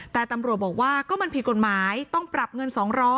แต่ตำรวจบอกว่าก็มันผิดกฎหมายต้องปรับเงิน๒๐๐